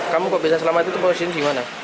kamu kalau bisa selamat itu posisi di mana